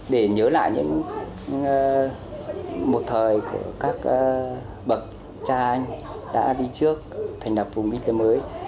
để nhớ lại một thời của các bậc cha anh đã đi trước thành lập vùng kinh tế mới